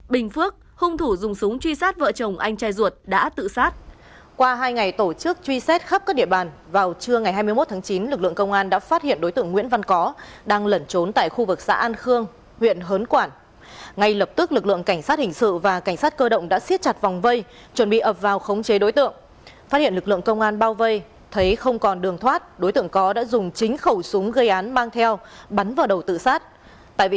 bình phước hung thủ dùng súng truy sát vợ chồng anh trai ruột đã tự sát